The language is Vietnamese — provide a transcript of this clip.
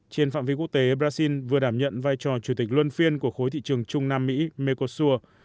trên phạm vi quốc tế brazil vừa đảm nhận vai trò chủ tịch luân phiên của khối thị trường trung nam mỹ mekosur